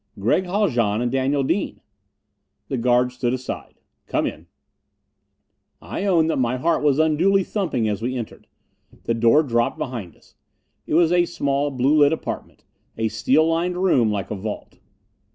"Gregg Haljan and Daniel Dean." The guard stood aside. "Come in." I own that my heart was unduly thumping as we entered. The door dropped behind us. It was a small blue lit apartment a steel lined room like a vault.